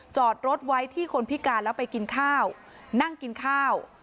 จอดรถไว้ที่คนพิการแล้วไปกินข้าวนั่งกินข้าว